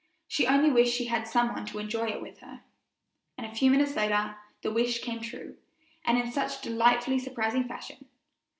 She only wished she had some one to enjoy it with her; and a few minutes later the wish came true, and in such delightfully surprising fashion.